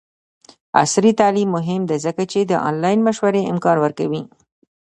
عصري تعلیم مهم دی ځکه چې د آنلاین مشورې امکان ورکوي.